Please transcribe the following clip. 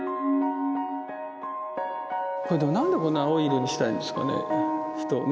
何でこんな青い色にしたいんですかね？